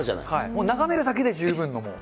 もう眺めるだけで十分のもう。